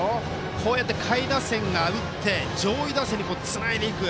こうやって下位打線が打って上位打線につないでいく。